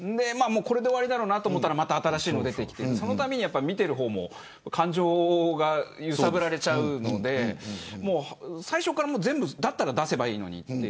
これで終わりだろうなと思ったらまた新しいのが出てきて見ている方も感情が揺さぶられちゃうので最初からだったら全部出せばいいのにと。